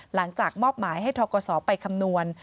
หลังจากมอบหมายให้ทกศไปคำนวณ